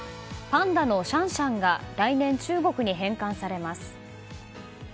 パンダのシャンシャンが来年中国に返還されます。